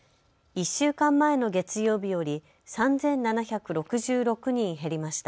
１週間前の月曜日より３７６６人減りました。